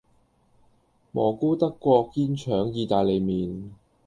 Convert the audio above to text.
蘑菇德國煙腸義大利麵